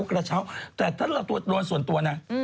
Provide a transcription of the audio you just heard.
แต่แต่ถ้าเรารวมส่วนตัว